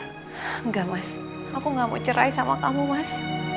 enggak mas aku gak mau cerai sama kamu mas